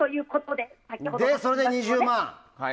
で、それで２０万。